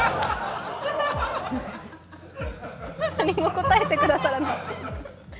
何も答えてくださらない。